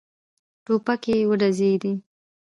ټوپکې وډزېدې.